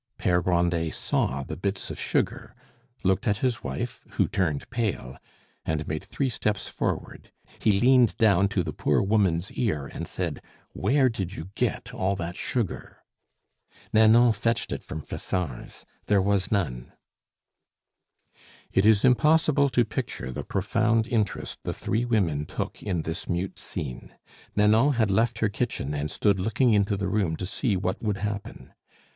Pere Grandet saw the bits of sugar, looked at his wife, who turned pale, and made three steps forward; he leaned down to the poor woman's ear and said, "Where did you get all that sugar?" "Nanon fetched it from Fessard's; there was none." It is impossible to picture the profound interest the three women took in this mute scene. Nanon had left her kitchen and stood looking into the room to see what would happen.